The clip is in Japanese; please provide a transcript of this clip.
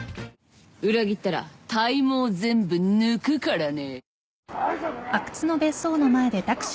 「裏切ったら体毛全部抜くからね」